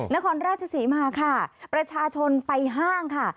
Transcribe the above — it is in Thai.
นครราชศรีมาค่ะประชาชนไปห้างค่ะ